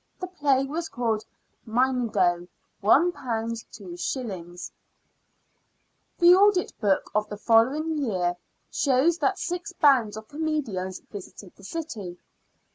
The play was called ' Myngo.' £1 2s." MARTIN FROBISHER. 65 The audit book of the following year shows that six bands of comedians visited the city.